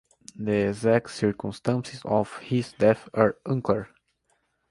The exact circumstances of his death are unclear.